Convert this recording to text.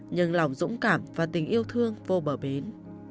nhưng lòng dũng cảm và tình yêu thương vô bờ bến